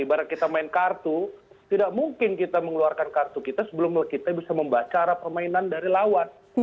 ibarat kita main kartu tidak mungkin kita mengeluarkan kartu kita sebelum kita bisa membaca arah permainan dari lawan